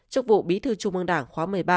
chức vụ bí thư trung ương đảng khóa một mươi ba